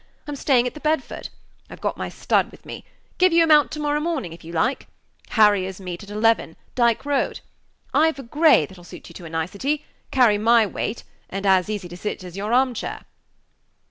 I'm staying at the Bedford; Page 25 I've got my stud with me give you a mount to morrow morning if you like. Harriers meet at eleven Dike Road. I've a gray that'll suit you to a nicety carry my weight, and as easy to sit as your arm chair."